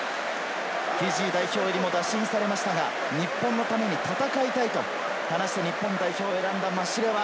フィジー代表にも打診されましたが、日本のために戦いたいと話して、日本代表を選んだマシレワ。